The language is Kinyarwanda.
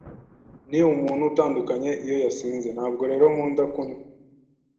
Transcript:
Ni umuntu utandukanye iyo yasinze, ntabwo rero nkunda kunywa.